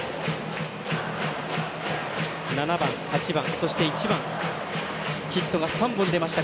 ７番、８番、そして１番ヒットが３本出ました